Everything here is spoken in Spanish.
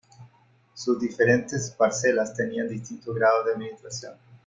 Sus diferentes parcelas tenían distintos grados de administración.